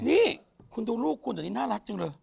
นี่คุณดูลูกคุณเดี๋ยวนี้น่ารักจังเลย